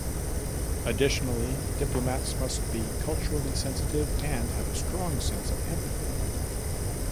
Additionally, diplomats must be culturally sensitive and have a strong sense of empathy.